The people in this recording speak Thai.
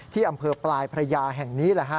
ที่อำเภอปลายพระยาแห่งนี้